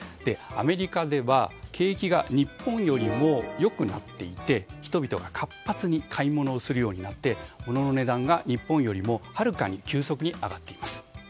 アメリカでは景気が日本よりも良くなっていて人々が活発に買い物をするようになってものの値段が日本よりもはるかに急速に上がっています。